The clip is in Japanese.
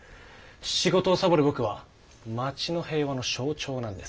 仕事をサボる僕は町の平和の象徴なんです。